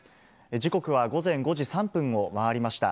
時刻は午前５時３分を回りました。